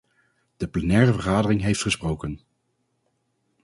De plenaire vergadering heeft gesproken ...